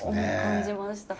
感じました。